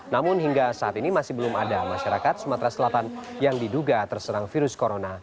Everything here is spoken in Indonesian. namun hingga saat ini masih belum ada masyarakat sumatera selatan yang diduga terserang virus corona